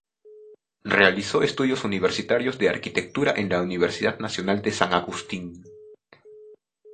Realizó estudios universitarios de Arquitectura en la Universidad Nacional de San Agustín.